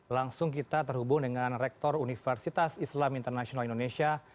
langsung kita terhubung dengan rektor universitas islam internasional indonesia